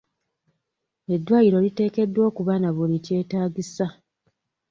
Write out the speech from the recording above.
Eddwaliro liteekeddwa okuba na buli kyetaagisa .